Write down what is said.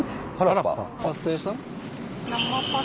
パスタ屋さん？